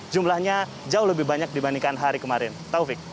jumlahnya jauh lebih banyak dibandingkan hari kemarin taufik